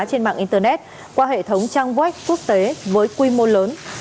trên mạng internet qua hệ thống trang web quốc tế với quy mô lớn